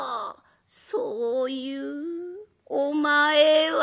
「そういうお前は」。